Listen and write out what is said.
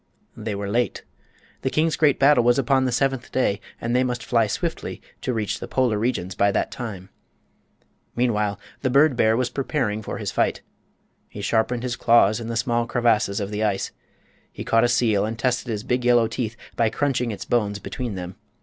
They were late. The king's great battle was upon the seventh day, and they must fly swiftly to reach the Polar regions by that time. Meanwhile the bird bear was preparing for his fight. He sharpened his claws in the small crevasses of the ice. He caught a seal and tested his big yellow teeth by crunching its bones between them.